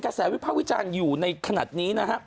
กระแสวิภาวิจารณ์อยู่ในขณะนี้